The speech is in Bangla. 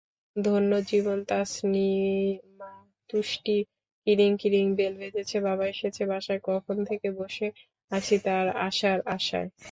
ধন্য জীবনতাছনিমাহ্ তুষ্টিকিরিং কিরিং বেল বেজেছেবাবা এসেছে বাসায়কখন থেকে বসে আছিতাঁর আসার আশায়।